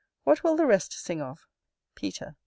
What will the rest sing of? Peter.